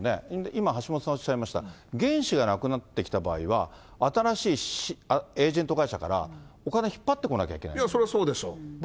今、橋下さんおっしゃいました原資がなくなってきた場合は、新しいエージェント会社からお金引っそりゃそうでしょ。